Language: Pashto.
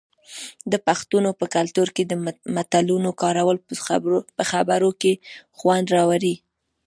د پښتنو په کلتور کې د متلونو کارول په خبرو کې خوند راوړي.